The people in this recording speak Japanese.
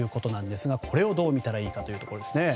これをどうみたらいいかというところですね。